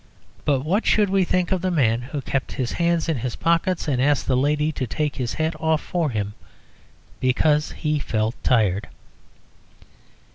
But what should we think of the man who kept his hands in his pockets and asked the lady to take his hat off for him because he felt tired?